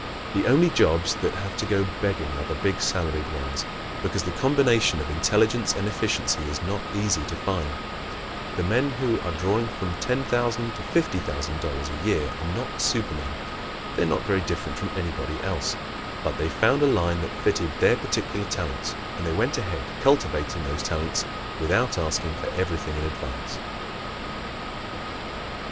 The only jobs that have to go begging are the big salaried ones, because the combination of intelligence and efficiency is not easy to find. The men who are drawing from $10,000 to $50,000 a year are not supermen. They are not very different from anybody else. But they found a line that fitted their particular talents, and they went ahead cultivating those talents without asking for everything in advance.